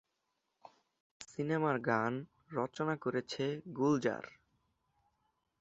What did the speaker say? সিনেমার গান রচনা করেছে গুলজার।